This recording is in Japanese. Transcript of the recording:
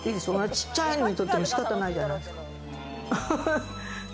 ちっちゃいのみとっても仕方ないじゃないですか。